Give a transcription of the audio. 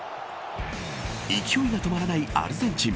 勢いが止まらないアルゼンチン。